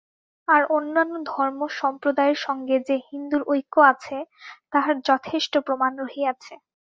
আর অন্যান্য ধর্ম-সম্প্রদায়ের সঙ্গে যে হিন্দুর ঐক্য আছে, তাহার যথেষ্ট প্রমাণ রহিয়াছে।